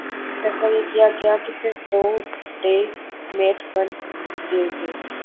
فیصلہ یہ کیا گیا کہہ صرف دو ڈے میٹھ بن ج گے